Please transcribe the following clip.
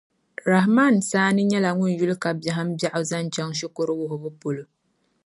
Rahman Saani nyɛla ŋun yuli ka biɛhim' bɛɣu zaŋ chaŋ shikuru wuhibu polo.